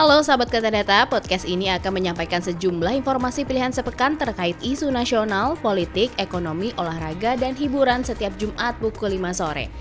halo sahabat keteneta podcast ini akan menyampaikan sejumlah informasi pilihan sepekan terkait isu nasional politik ekonomi olahraga dan hiburan setiap jumat pukul lima sore